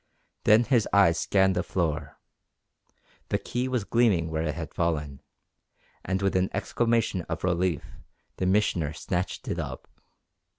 Then his eyes scanned the floor. The key was gleaming where it had fallen, and with an exclamation of relief the Missioner snatched it up.